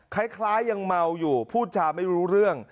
คล้ายยังเมาอยู่พูดจาไม่รู้เรื่อง